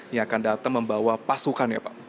yang akan datang membawa pasukan ya pak